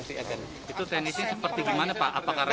itu teknisnya seperti gimana pak apakah random atau gimana pak